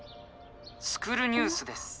「スクる！ニュース」です。